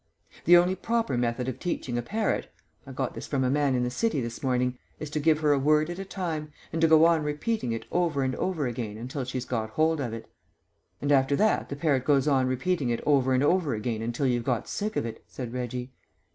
"The only proper method of teaching a parrot I got this from a man in the City this morning is to give her a word at a time, and to go on repeating it over and over again until she's got hold of it." "And after that the parrot goes on repeating it over and over again until you've got sick of it," said Reggie.